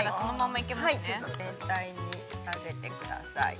全体に混ぜてください。